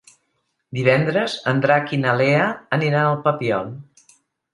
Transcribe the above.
Divendres en Drac i na Lea aniran al Papiol.